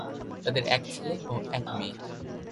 তাদের এক ছেলে ও এক মেয়ে।